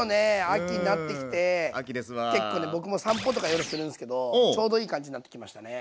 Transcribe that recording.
結構ね僕も散歩とか夜するんですけどちょうどいい感じになってきましたね。